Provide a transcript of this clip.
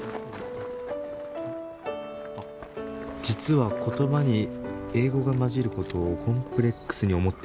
「実は言葉に英語が交じることをコンプレックスに思っている」